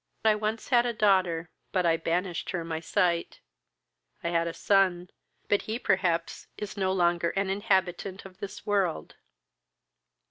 I once had a daughter, but I banished her my sight: I had a son, but he perhaps is no longer an inhabitant of this world."